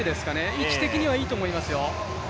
位置的にはいいと思いますよ。